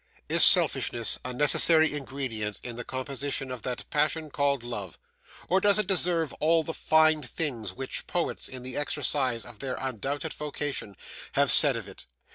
Is selfishness a necessary ingredient in the composition of that passion called love, or does it deserve all the fine things which poets, in the exercise of their undoubted vocation, have said of it?